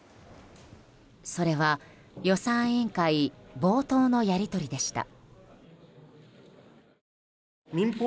それは、予算委員会冒頭のやり取りでした。